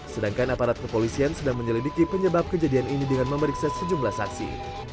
sedangkan aparat kepolisian sedang menyelidiki penyebab kejadian ini dengan memeriksa sejumlah saksi